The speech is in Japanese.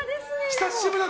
久しぶりだな